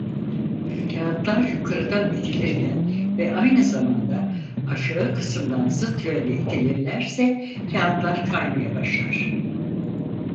Kağıtlar yukarıdan itilirken ve aynı zamanda aşağı kısmından zıt yönde itilirlerse kağıtlar kaymaya başlar.